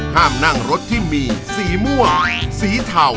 ห้ามนั่งรถที่มีสีม่วงสีเทา